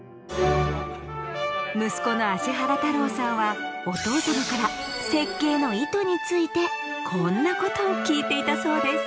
息子の芦原太郎さんはお父様から設計の意図についてこんなことを聞いていたそうです。